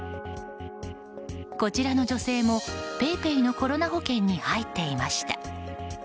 こちらの女性もＰａｙＰａｙのコロナ保険に入っていました。